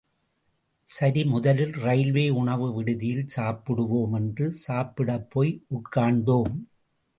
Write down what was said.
சரி முதலில் ரயில்வே உணவு விடுதியில் சாப்பிடுவோம் என்று சாப்பிடப்போய் உட்கார்ந்தோம்.